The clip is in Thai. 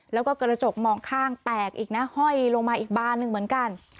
แล้วก็กระจกมองข้างแตกอีกนะห้อยลงมาอีกบานหนึ่งเหมือนกัน